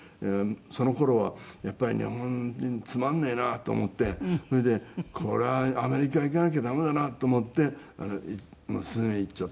その頃はやっぱり日本人つまんねえなと思ってそれでこれはアメリカ行かなきゃ駄目だなと思って数年行っちゃったんです。